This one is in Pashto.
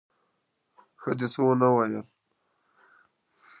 ښځې څه ونه ویل: